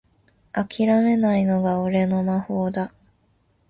あきらめないのが俺の魔法だ